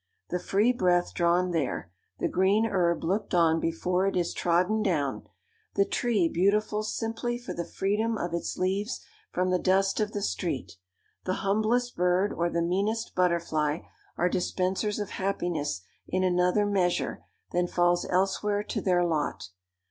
The free breath drawn there, the green herb looked on before it is trodden down, the tree beautiful simply for the freedom of its leaves from the dust of the street, the humblest bird or the meanest butterfly, are dispensers of happiness in another measure than falls elsewhere to their lot.